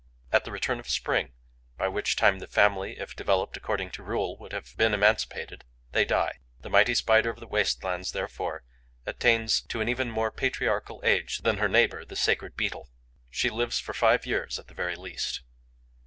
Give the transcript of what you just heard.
At the return of spring, by which time the family, if developed according to rule, would have been emancipated, they die. The mighty Spider of the waste lands, therefore, attains to an even more patriarchal age than her neighbour the Sacred Beetle: she lives for five years at the very least.